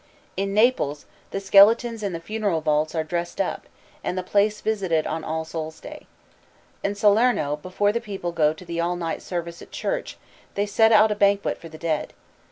In Naples the skeletons in the funeral vaults are dressed up, and the place visited on All Souls' Day. In Salerno before the people go to the all night service at church they set out a banquet for the dead.